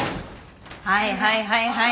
はいはいはいはい。